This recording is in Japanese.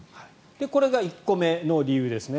これが１個目の理由ですね。